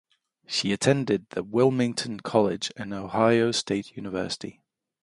She attended the Wilmington College and Ohio State University.